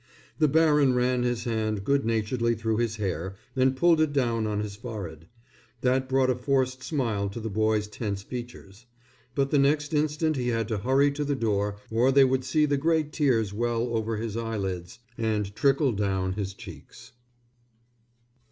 The baron ran his hand good naturedly through his hair and pulled it down on his forehead. That brought a forced smile to the boy's tense features. But the next instant he had to hurry to the door, or they would see the great tears well over his eyelids and trickle down his cheeks.